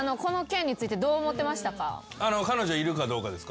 彼女いるかどうかですか？